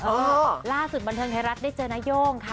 โอ้ววววล่าสุดบันเทิงได้เจอนายโย่งค่ะ